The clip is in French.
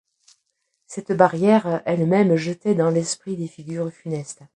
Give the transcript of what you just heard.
Cette barrière elle-même jetait dans l’esprit des figures funestes.